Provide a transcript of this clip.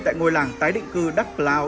tại ngôi làng tái định cư đắk lào